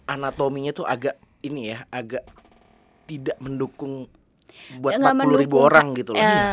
anatominya itu agak ini ya agak tidak mendukung buat empat puluh ribu orang gitu loh